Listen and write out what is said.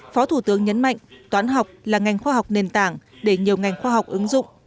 phó thủ tướng nhấn mạnh toán học là ngành khoa học nền tảng để nhiều ngành khoa học ứng dụng